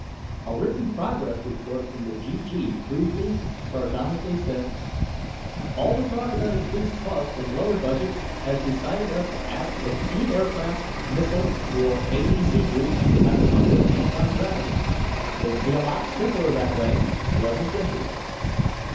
A written progress report from the GG briefly, sardonically, said: "All the talk about increased costs and lowered budget has decided us to ask if any aircraft, missile, or AEC groups have come up with anti gravity. It'd be a lot simpler that way. Love and kisses."